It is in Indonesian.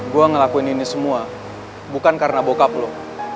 gue ngelakuin ini semua bukan karena bokap loh